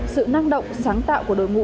sự năng động sáng tạo của đối ngũ